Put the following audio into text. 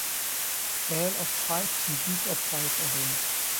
Earl of Fife zum Duke of Fife erhoben.